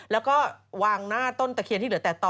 แล้วก็วางหน้าต้นตะเคียนที่เหลือแต่ต่อ